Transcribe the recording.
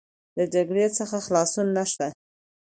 د جګړې څخه خلاصون نشته.